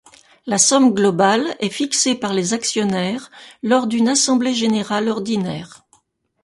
La somme globale est fixée par les actionnaires, lors d'une assemblée générale ordinaire.